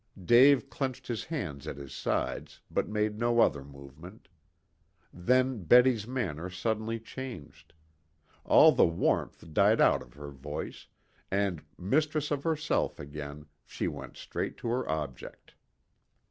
Dave clenched his hands at his sides, but made no other movement. Then Betty's manner suddenly changed. All the warmth died out of her voice, and, mistress of herself again, she went straight to her object.